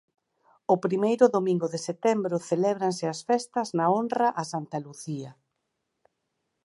O primeiro domingo de setembro celébranse as festas na honra a Santa Lucía.